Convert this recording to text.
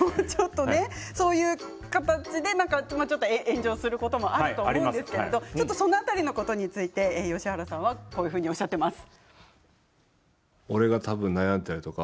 そういう形で炎上することもあると思うんですけれどその辺りのこと吉原さんはこうおっしゃっています。